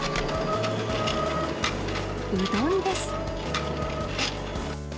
うどんです。